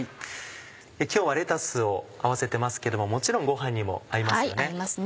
今日はレタスを合わせてますけどももちろんご飯にも合いますよね。